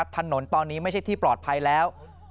ถนนตอนนี้ไม่ใช่ที่ปลอดภัยแล้ว